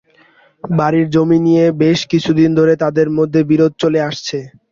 বাড়ির জমি নিয়ে বেশ কিছুদিন ধরে তাঁদের মধ্যে বিরোধ চলে আসছে।